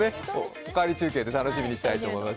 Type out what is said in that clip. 「おかわり中継」で楽しみにしたいです。